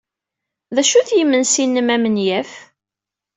D acu-t yimensi-nnem amenyaf?